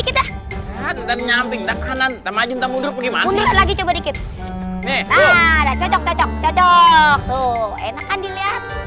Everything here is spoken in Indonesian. maju maju kita nyampe kanan tamu juta muda lagi coba dikit cocok cocok cocok enakan